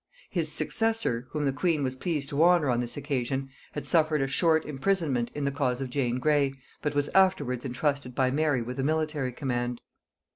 His successor, whom the queen was pleased to honor on this occasion, had suffered a short imprisonment in the cause of Jane Grey, but was afterwards intrusted by Mary with a military command.